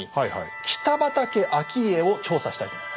北畠顕家を調査したいと思います。